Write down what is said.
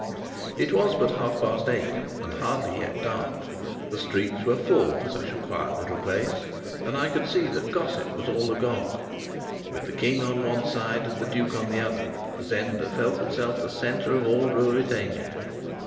It was but half past eight, and hardly yet dark; the streets were full for such a quiet little place, and I could see that gossip was all agog. With the King on one side and the duke on the other, Zenda felt itself the centre of all Ruritania.